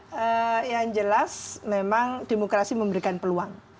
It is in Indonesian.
ya yang jelas memang demokrasi memberikan peluang